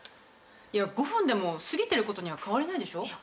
いや５分でも過ぎてることには変わりないでしょ。